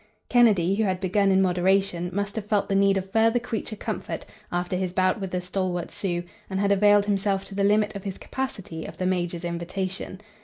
Kennedy, who had begun in moderation, must have felt the need of further creature comfort after his bout with the stalwart Sioux, and had availed himself to the limit of his capacity of the major's invitation.